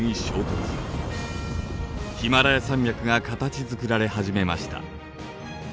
ヒマラヤ山脈が形づくられ始めました。